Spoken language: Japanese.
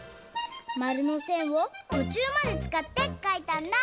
まるのせんをとちゅうまでつかってかいたんだ！